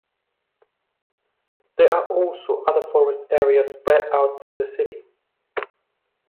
There are also other forest areas spread out through the city.